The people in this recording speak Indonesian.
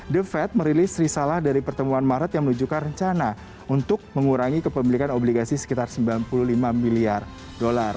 the fed merilis risalah dari pertemuan maret yang menunjukkan rencana untuk mengurangi kepemilikan obligasi sekitar sembilan puluh lima miliar dolar